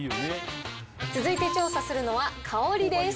続いて調査するのは香りです。